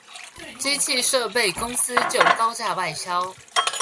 機器設備公司就高價外銷